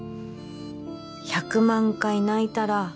１００万回泣いたら